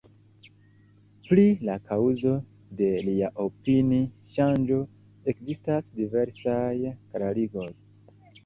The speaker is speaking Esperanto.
Pri la kaŭzo de lia opini-ŝanĝo ekzistas diversaj klarigoj.